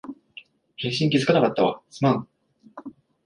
返信気づかなかったわ、すまん